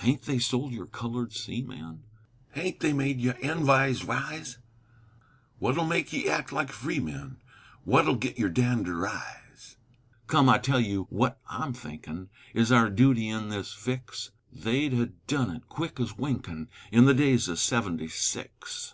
Ha'n't they sold your colored seamen? Ha'n't they made your env'ys w'iz? Wut'll make ye act like freemen? Wut'll git your dander riz? Come, I tell you wut I'm thinkin' Is our dooty in this fix, They'd ha' done 't ez quick ez winkin' In the days o' seventy six.